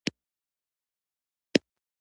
که عرضه زیاته شي، د قیمت کچه راټیټېږي.